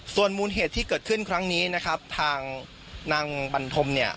ส่วนมูลเหตุที่เกิดขึ้นครั้งนี้นะครับทางนางบันทมเนี่ย